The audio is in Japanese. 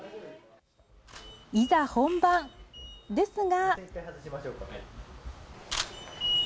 いざ本番、ですが。